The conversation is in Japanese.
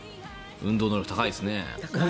運動能力高いですね。